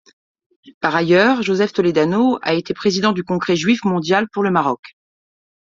Par ailleurs, Joseph Toledano a été président du Congrès juif mondial pour le Maroc.